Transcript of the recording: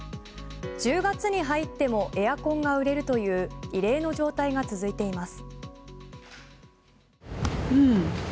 １０月に入ってもエアコンが売れるという異例の状態が続いています。